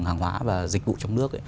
hàng hóa và dịch vụ trong nước